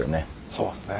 そうですね。